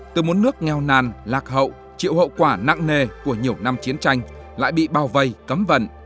từ một nước nghèo nàn lạc hậu chịu hậu quả nặng nề của nhiều năm chiến tranh lại bị bao vây cấm vận